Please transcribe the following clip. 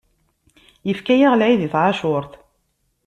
Ifka-yaɣ lεid i tεacurt.